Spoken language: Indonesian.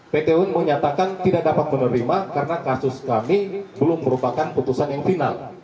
pt un menyatakan tidak dapat menerima karena kasus kami belum merupakan putusan yang final